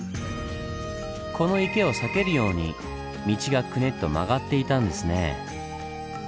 この池を避けるように道がクネッと曲がっていたんですねぇ。